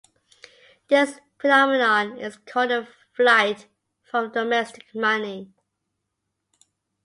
This phenomenon is called the "flight from domestic money".